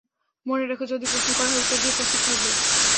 মনে রেখ, যদি প্রশ্ন করা হয়, উত্তর নিয়ে প্রস্তুত থাকবে।